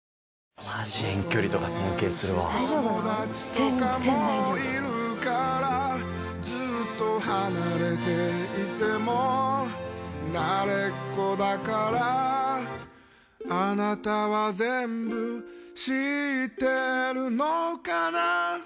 友達とかもいるからずっと離れていても慣れっこだからあなたは全部知ってるのかな